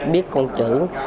biết con chữ